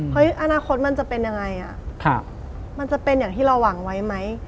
อนาคตมันจะเป็นยังไงอ่ะมันจะเป็นอย่างที่เราหวังไว้ไหม